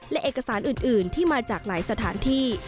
และเอกสารอื่นที่มาจากหลายสถานที่